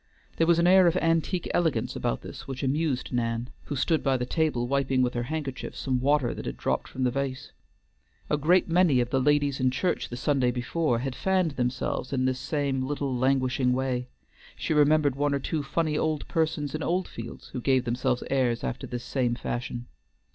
There was an air of antique elegance about this which amused Nan, who stood by the table wiping with her handkerchief some water that had dropped from the vase. A great many of the ladies in church the Sunday before had fanned themselves in this same little languishing way; she remembered one or two funny old persons in Oldfields who gave themselves airs after the same fashion.